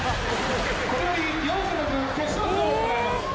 「これより幼児の部決勝戦を行います」